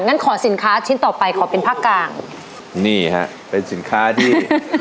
งั้นขอสินค้าชิ้นต่อไปขอเป็นภาคกลางนี่ฮะเป็นสินค้าที่